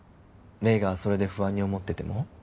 黎がそれで不安に思ってても？